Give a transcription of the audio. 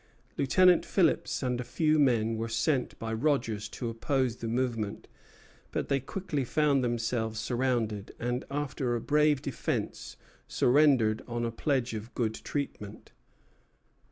Lieutenant Phillips and a few men were sent by Rogers to oppose the movement; but they quickly found themselves surrounded, and after a brave defence surrendered on a pledge of good treatment.